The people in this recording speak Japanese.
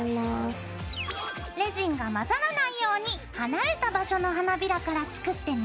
レジンが混ざらないように離れた場所の花びらから作ってね。